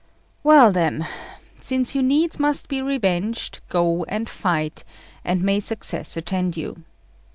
"Well, then, since you needs must be revenged, go and fight, and may success attend you!